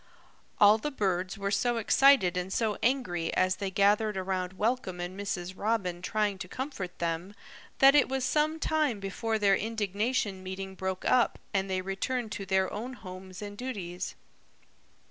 All the birds were so excited and so angry, as they gathered around Welcome and Mrs. Robin trying to comfort them, that it was some time before their indignation meeting broke up and they returned to their own homes and duties.